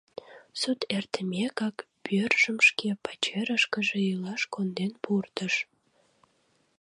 Суд эртымекак, пӧржым шке пачерышкыже илаш конден пуртыш.